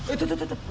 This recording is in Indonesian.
eh tutup tutup